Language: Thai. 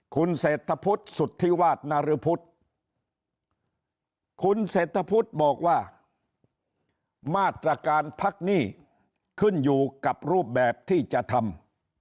คุณเศรษฐพุทธสุธิวาสนารพุทธคุณเศรษฐพุทธบอกว่ามาตรการพักหนี้ขึ้นอยู่กับรูปแบบที่จะทำ